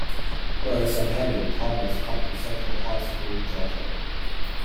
Burns attended Thomas County Central High School in Georgia.